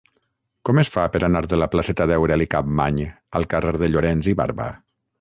Com es fa per anar de la placeta d'Aureli Capmany al carrer de Llorens i Barba?